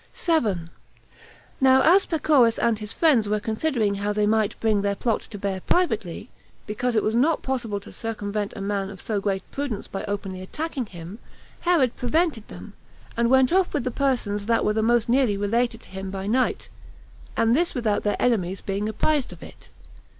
7. Now as Pacorus and his friends were considering how they might bring their plot to bear privately, because it was not possible to circumvent a man of so great prudence by openly attacking him, Herod prevented them, and went off with the persons that were the most nearly related to him by night, and this without their enemies being apprized of it.